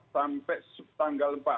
sampai tanggal empat belas